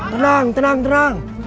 tenang tenang tenang